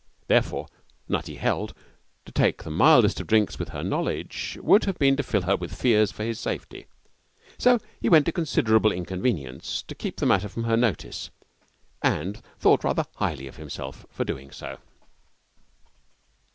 Therefore, Nutty held, to take the mildest of drinks with her knowledge would have been to fill her with fears for his safety. So he went to considerable inconvenience to keep the matter from her notice, and thought rather highly of himself for doing so.